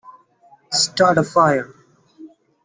Start a Fire.